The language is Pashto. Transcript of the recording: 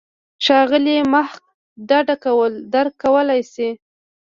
ښاغلی محق ډډه کول درک کولای شي.